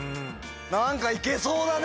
何か行けそうだね！